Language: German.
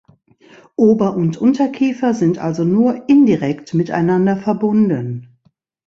Ober- und Unterkiefer sind also nur indirekt miteinander verbunden.